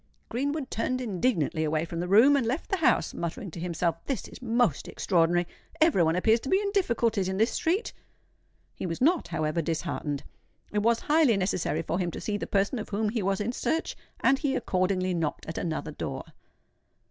Greenwood turned indignantly away from the room, and left the house, muttering to himself, "This is most extraordinary! Every one appears to be in difficulties in this street." He was not, however, disheartened: it was highly necessary for him to see the person of whom he was in search; and he accordingly knocked at another door.